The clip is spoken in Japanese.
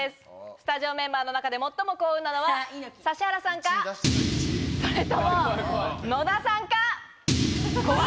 スタジオメンバーの中で最も幸運なのは指原さんか、それとも野田さんか。